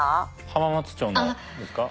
浜松町のですか？